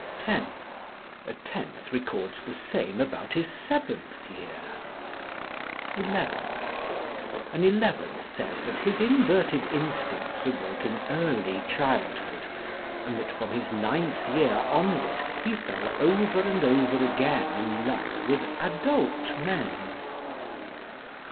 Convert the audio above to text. (10) A tenth records the same about his seventh year. (11) An eleventh says that his inverted instincts awoke in early childhood, and that from his ninth year onward he fell over and over again in love with adult men.